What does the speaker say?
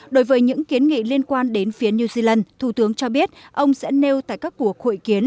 đối với những kiến nghị liên quan đến phía new zealand thủ tướng cho biết ông sẽ nêu tại các cuộc hội kiến